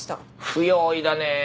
不用意だね。